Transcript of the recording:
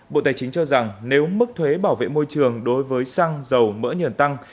bộ tài chính cho rằng nếu mức thuế bảo vệ môi trường đối với xăng dầu mỡ nhờn tăng